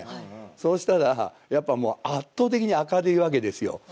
そうしたらやっぱもう圧倒的に明るいわけですよ。